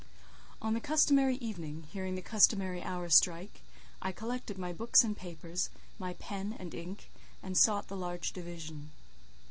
On the customary evening, hearing the customary hour strike, I collected my books and papers, my pen and ink, and sought the large division.